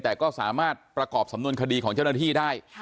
แต่ก็สามารถประกอบสำนวนคดีของเจ้าหน้าที่ได้